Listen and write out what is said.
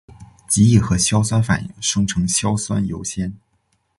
极易和硝酸反应生成硝酸铀酰。